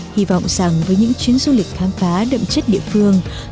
hy vọng rằng với những chuyến du lịch khám phá đậm chất địa phương